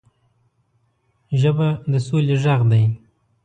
ژبه د سولې غږ دی